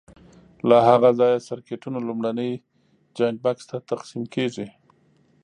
له هغه ځایه سرکټونو لومړني جاینټ بکس ته تقسیم کېږي.